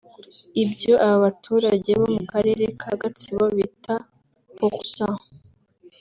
Ibyo aba baturage bo mu Karere ka Gatsibo bita pourcent